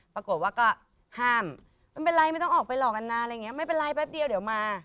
ปรากฏว่าก็ห้ามไม่เป็นไรไม่ต้องออกไปหลอกกันนะอะไรอย่างนี้ไม่เป็นไรแป๊บเดียวเดี๋ยวมา